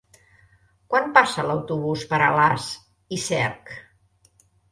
Quan passa l'autobús per Alàs i Cerc?